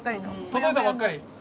届いたばっかり。